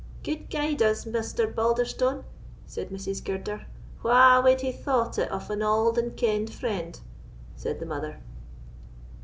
"Gude guide us, Mr. Balderstone!" said Mrs. Girder. "Wha wad hae thought it of an auld and kenn'd friend!" said the mother.